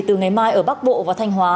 từ ngày mai ở bắc bộ và thanh hóa